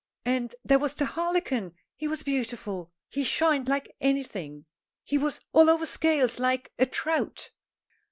And there was the harlequin, he was beautiful. He shined like anything. He was all over scales, like a trout."